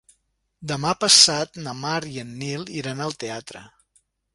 Demà passat na Mar i en Nil iran al teatre.